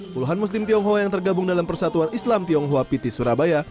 puluhan muslim tionghoa yang tergabung dalam persatuan islam tionghoa piti surabaya